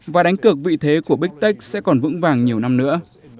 và đánh cực vị thế của big tech sẽ còn vững vàng nhiều năm nữa